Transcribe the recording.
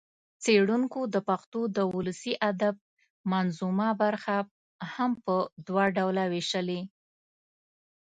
څېړنکو د پښتو د ولسي ادب منظومه برخه هم په دوه ډوله وېشلې